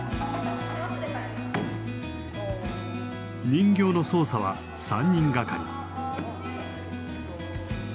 人形の操作は３人がかり。